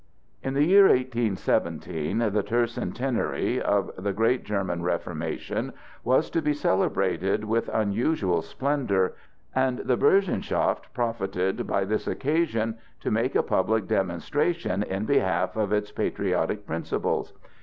In the year 1817 the tercentenary of the great German Reformation was to be celebrated with unusual splendor, and the Burschenschaft profited by this occasion to make a public demonstration in behalf of its patriotic principles.